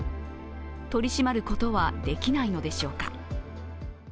取り締まることはできないのでしょうか？